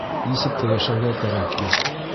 Нисек тә йәшәргә кәрәк бит...